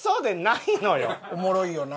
おもろいよな。